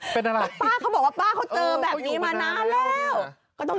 ป้าเขาบอกว่าป้าเขาเจอแบบนี้มานานแล้ว